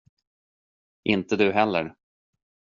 Inte du heller.